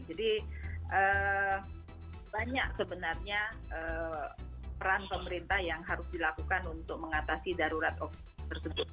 jadi banyak sebenarnya peran pemerintah yang harus dilakukan untuk mengatasi darurat tersebut